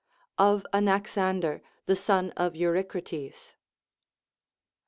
Of Anaxnnder the Son of Eurycrates.